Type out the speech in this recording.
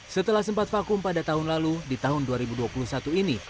setelah sempat vakum pada tahun lalu di tahun dua ribu dua puluh satu ini